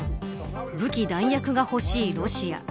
武器弾薬が欲しいロシア。